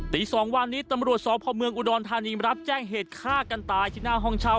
ตี๒วันนี้ตำรวจสพเมืองอุดรธานีรับแจ้งเหตุฆ่ากันตายที่หน้าห้องเช่า